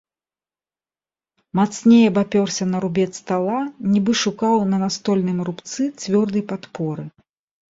Мацней абапёрся на рубец стала, нібы шукаў на настольным рубцы цвёрдай падпоры.